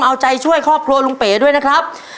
เอาใจช่วยครอบครัวลุงเป๋ด้วยนะครับ